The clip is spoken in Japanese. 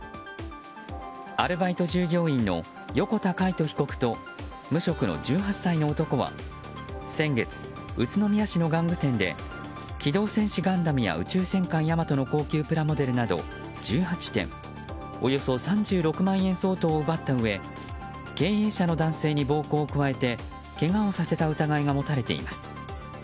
アルバイト従業員の横田魁人被告と無職の１８歳の男は先月、宇都宮市の玩具店で「機動戦士ガンダム」や「宇宙戦艦ヤマト」の高級プラモデルなど１８点、およそ３６万円相当を奪ったうえ経営者の男性に暴行を加えてけがをさせた疑いが持たれています。